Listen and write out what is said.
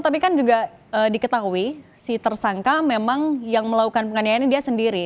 tapi kan juga diketahui si tersangka memang yang melakukan penganiayaan ini dia sendiri